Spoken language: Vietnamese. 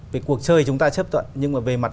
về cuộc chơi chúng ta chấp thuận nhưng mà về mặt